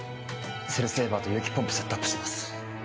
セルセーバーと輸液ポンプセットアップします